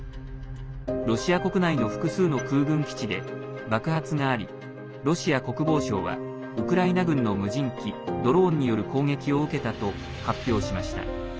ロシア国内の複数の空軍基地で爆発がありロシア国防省はウクライナ軍の無人機、ドローンによる攻撃を受けたと発表しました。